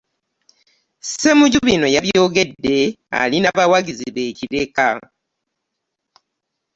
Ssemujju bino yabyogedde ali n'abawagizi be e Kireka